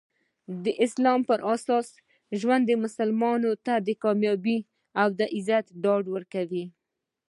د اسلام پراساس ژوند مسلمانانو ته د کامیابي او عزت ډاډ ورکوي.